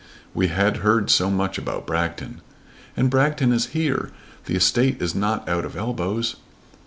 "We had heard so much about Bragton!" "And Bragton is here. The estate is not out of elbows."